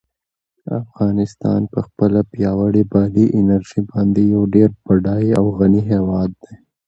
افغانستان په خپله پیاوړې بادي انرژي باندې یو ډېر بډای او غني هېواد دی.